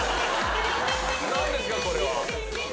なんですか、これは。